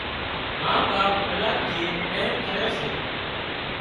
ما ٻاپ اولاد ٿي پريم ڪري سي